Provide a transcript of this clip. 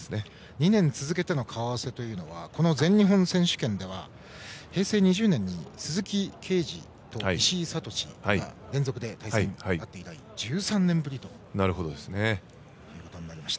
２年続けての顔合わせというのはこの全日本選手権では平成２０年に鈴木桂治と石井慧が連続で対戦して以来１３年ぶりとなりました。